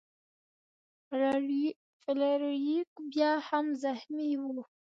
فلیریک بیا هم زخمی و.